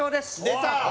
出た！